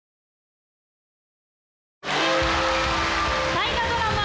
大河ドラマ